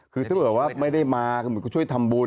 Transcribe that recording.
คือถ้าเกิดว่าไม่ได้มาก็ช่วยทำบุญ